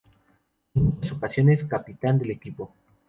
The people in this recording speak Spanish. En muchas ocasiones capitán del equipo.